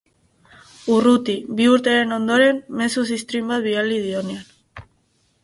Urruti, bi urteren ondoren, mezu ziztrin bat bidali dionean.